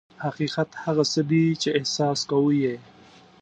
حقیقت هغه څه دي چې احساس کوو یې.